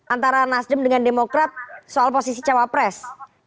antara nasdem dengan demokrat soal posisi cawapres